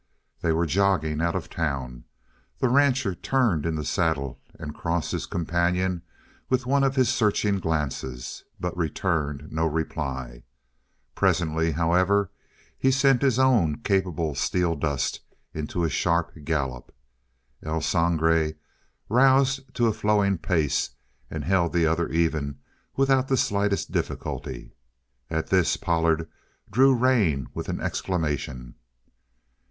They were jogging out of town. The rancher turned in the saddle and crossed his companion with one of his searching glances, but returned no reply. Presently, however, he sent his own capable Steeldust into a sharp gallop; El Sangre roused to a flowing pace and held the other even without the slightest difficulty. At this Pollard drew rein with an exclamation.